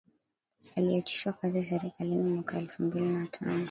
aliachishwa kazi serikalini mwaka elfu mbili na tano